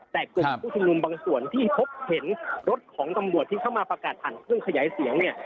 แต่กลุ่มผู้ชุมนุมบางส่วนที่พบเห็นรถของตำรวจที่เข้ามาประกาศผ่านเครื่องขยายเสียงเนี่ย